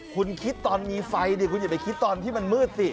คุณคิดตอนมีไฟดิคุณอย่าไปคิดตอนที่มันมืดสิ